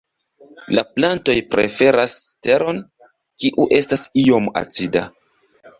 La plantoj preferas teron, kiu estas iom acida.